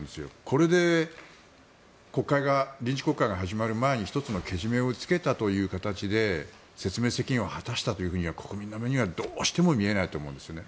これで臨時国会が始まる前に１つのけじめをつけたという形で説明責任を果たしたとは国民の目にはどうしても見えないと思うんですよね。